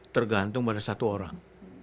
tergantung pada satu orang